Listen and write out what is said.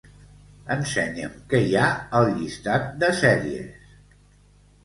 Ensenya'm què hi ha al llistat de sèries.